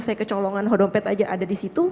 saya kecolongan hodompet saja ada di situ